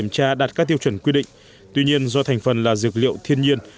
đạt các tiêu chuẩn quy định tuy nhiên do thành phần là dược liệu thiên nhiên